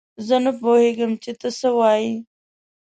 زه نه پوهېږم چې تۀ څۀ وايي.